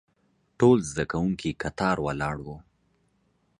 ټول زده کوونکي کتار ولاړ وو.